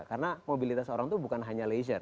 karena mobilitas orang itu bukan hanya leisure